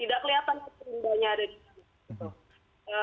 tidak kelihatan rendahnya ada di sana